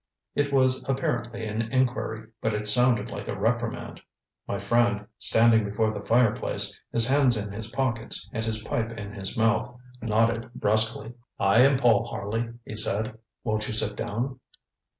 It was apparently an inquiry, but it sounded like a reprimand. My friend, standing before the fireplace, his hands in his pockets and his pipe in his mouth, nodded brusquely. ŌĆ£I am Paul Harley, ŌĆØ he said. ŌĆ£Won't you sit down?